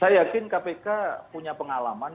saya yakin kpk punya pengalaman